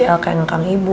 el kayak nengkang ibu